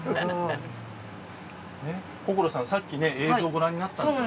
心さん、さっき映像をご覧になったんですよね。